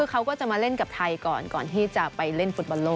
เขาก็จะมาเล่นกับไทยก่อนก่อนที่จะไปเล่นฟุตบอลโล